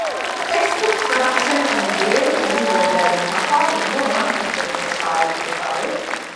ޓެކްސްޓް ބުކް ޕްރޮޑަކްޝަންސް އިން ބޭރުގެ އެހީ ހޯދައިގެން ތަފާތު ނުވަ ބަހަކުން ފޮަތްތައް ޝާއިއު ކޮށްފައިވެ